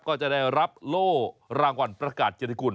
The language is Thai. ก็จะได้รับโล่รางวัลประกาศเจริกุล